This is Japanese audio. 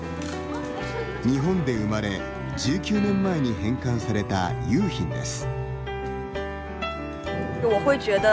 日本で生まれ１９年前に返還された雄浜です。